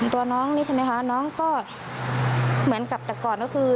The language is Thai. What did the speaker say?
ตัวน้องนี่ใช่ไหมคะน้องก็เหมือนกับแต่ก่อนก็คือ